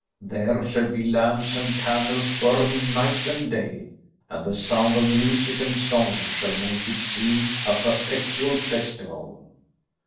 There shall be lamps and candles burning night and day, and the sound of music and song shall make it seem a perpetual festival."